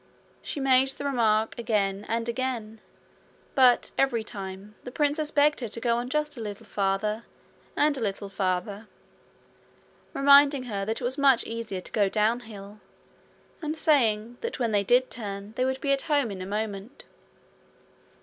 She made the remark again and again, but, every time, the princess begged her to go on just a little farther and a little farther; reminding her that it was much easier to go downhill, and saying that when they did turn they would be at home in a moment.